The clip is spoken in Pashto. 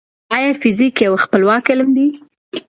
ايا فزيک يو خپلواک علم دی؟